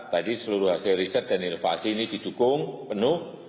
tadi seluruh hasil riset dan inovasi ini didukung penuh